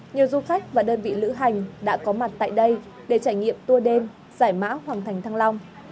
nhiều du khách và đơn vị lữ hành đã có mặt tại đây để trải nghiệm tour đêm giải mã hoàng thành thăng long